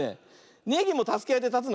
ネギもたすけあいでたつのかな。